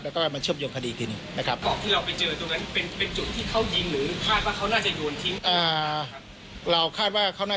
หมายความว่าพอเจอเจ้ารถที่ก็โยนทิ้งเลยอย่างนั้นนะครับ